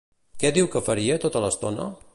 Què diu que faria tota l'estona?